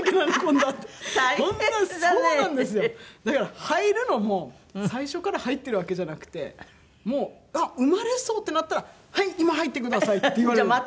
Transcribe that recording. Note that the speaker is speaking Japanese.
だから入るのも最初から入ってるわけじゃなくてもうあっ産まれそう！ってなったら「はい今入ってください」って言われる。